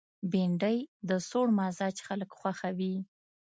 بېنډۍ د سوړ مزاج خلک خوښوي